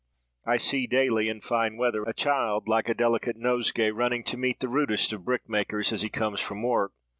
I see daily, in fine weather, a child like a delicate nosegay, running to meet the rudest of brick makers as he comes from work.